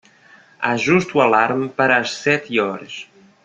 Ajuste o alarme para as sete horas.